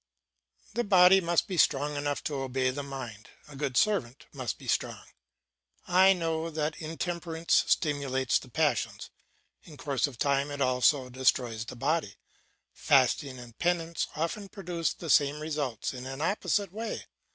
The body must be strong enough to obey the mind; a good servant must be strong. I know that intemperance stimulates the passions; in course of time it also destroys the body; fasting and penance often produce the same results in an opposite way.